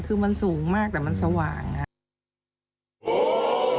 คือมันสูงมากแต่มันสว่างอ่ะ